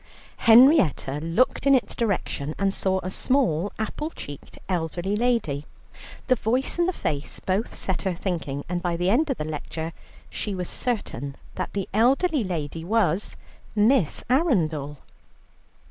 Henrietta looked in its direction, and saw a small apple cheeked elderly lady. The voice and the face both set her thinking, and by the end of the lecture she was certain that the elderly lady was Miss Arundel.